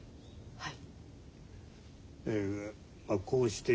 はい。